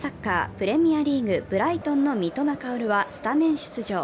プレミアリーグ、ブライトンの三笘薫はスタメン出場。